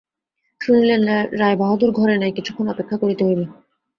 শুনিলেন, রায়বাহাদুর ঘরে নাই, কিছুক্ষণ অপেক্ষা করিতে হইবে।